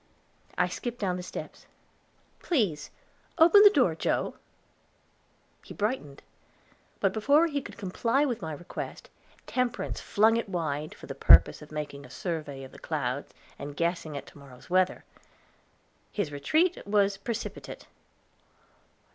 I skipped down the steps. "Please open the door, Joe." He brightened, but before he could comply with my request Temperance flung it wide, for the purpose of making a survey of the clouds and guessing at to morrow's weather. His retreat was precipitate.